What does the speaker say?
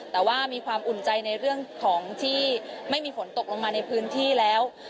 แต่ว่ามีความอุ่นใจในเรื่องของที่ไม่มีฝนตกลงมาในพื้นที่แล้ว